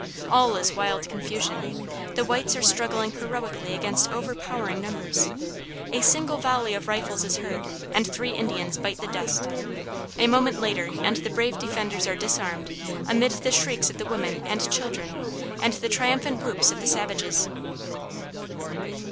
All is wild confusion. The whites are struggling heroically against overpowering numbers. A single volley of rifles is heard and three Indians bite the dust. A moment later and the brave defenders are disarmed amid the shrieks of the women and the children and the triumphant whoops of the savages.